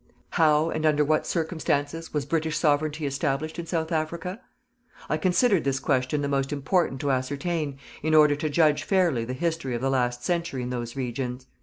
How, and under what circumstances, was British Sovereignty established in South Africa? I considered this question the most important to ascertain, in order to judge fairly the history of the last century in those regions.